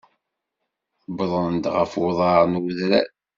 Wwḍen-d ɣef uḍar n udrar.